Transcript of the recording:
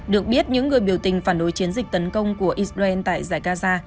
được biết những người biểu tình phản đối chiến dịch tấn công của israel tại giải gaza